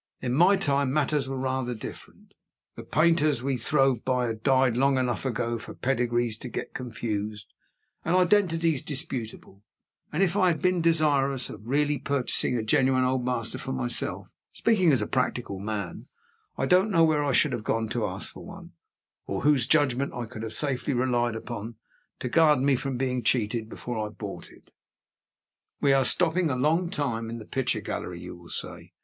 In my time matters were rather different. The painters we throve by had died long enough ago for pedigrees to get confused, and identities disputable; and if I had been desirous of really purchasing a genuine Old Master for myself speaking as a practical man I don't know where I should have gone to ask for one, or whose judgment I could have safely relied on to guard me from being cheated, before I bought it. We are stopping a long time in the picture gallery, you will say.